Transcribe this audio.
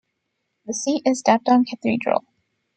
The seat is Dapdong Cathedral.